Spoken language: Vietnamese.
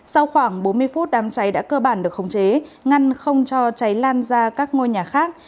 sau khoảng bốn mươi phút đám cháy đã cơ bản được khống chế ngăn không cho cháy lan ra các ngôi nhà khác